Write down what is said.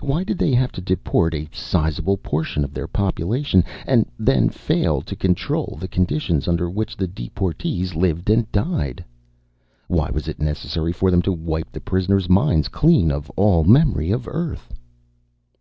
Why did they have to deport a sizable portion of their population and then fail to control the conditions under which the deportees lived and died? Why was it necessary for them to wipe the prisoners' minds clean of all memory of Earth?